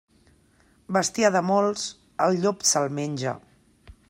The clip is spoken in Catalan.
Bestiar de molts, el llop se'l menja.